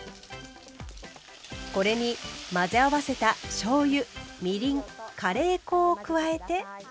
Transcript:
これに混ぜ合わせたしょうゆみりんカレー粉を加えて。